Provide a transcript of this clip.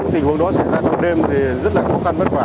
tình huống đó xảy ra trong đêm thì rất là khó khăn bất khỏa